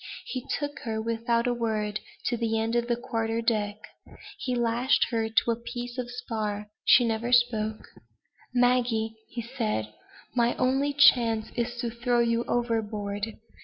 He took her, without a word, to the end of the quarter deck. He lashed her to a piece of spar. She never spoke: "Maggie," he said, "my only chance is to throw you overboard.